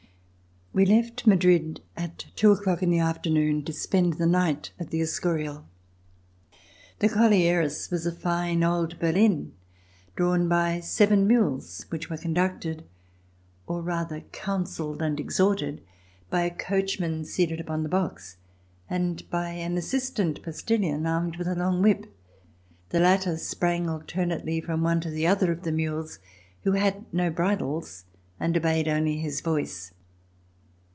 We left Madrid at two o'clock in the afternoon to spend the night at the Escurial. The collieras was a hne old berline, drawn by seven mules, which were conducted, or rather counseled and exhorted, by a coachman seated upon the box and by an assistant postillion armed with a long whip. The latter sprang alternately from one to the other of the mules, who had no bridles and obeyed only his voice.